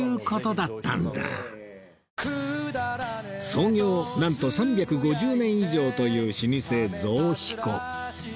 創業なんと３５０年以上という老舗象彦